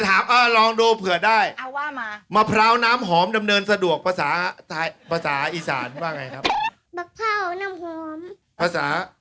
สะเก็ดภาษาไทยสะเก็ดภาษาอังกฤษ